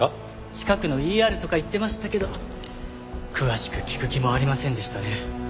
近くのＥＲとか言ってましたけど詳しく聞く気もありませんでしたね。